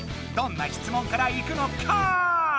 どんな質問からいくのカー？